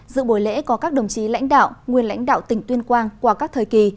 dự buổi lễ có các đồng chí lãnh đạo nguyên lãnh đạo tỉnh tuyên quang qua các thời kỳ